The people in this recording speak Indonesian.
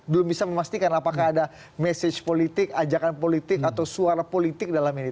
belum bisa memastikan apakah ada message politik ajakan politik atau suara politik dalam ini